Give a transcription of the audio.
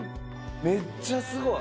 めっちゃすごい。